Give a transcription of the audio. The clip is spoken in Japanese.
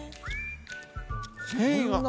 繊維が。